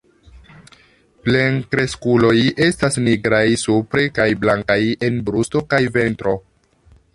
Plenkreskuloj estas nigraj supre kaj blankaj en brusto kaj ventro.